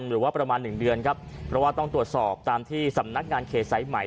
หรือว่าประมาณหนึ่งเดือนครับเพราะว่าต้องตรวจสอบตามที่สำนักงานเขตสายไหม